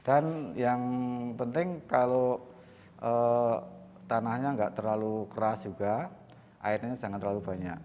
dan yang penting kalau tanahnya nggak terlalu keras juga airnya jangan terlalu banyak